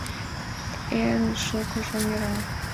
Эн шукыжо мераҥ.